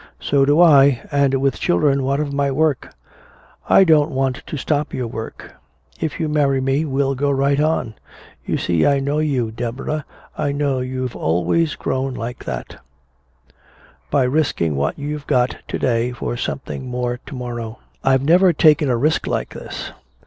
"So do I. And with children, what of my work?" "I don't want to stop your work. If you marry me we'll go right on. You see I know you, Deborah, I know you've always grown like that by risking what you've got to day for something more to morrow." "I've never taken a risk like this!"